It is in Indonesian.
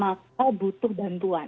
maka butuh bantuan